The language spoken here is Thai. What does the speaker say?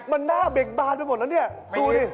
มันหน้าเบกบานไปหมดแล้วเนี่ยดูดิ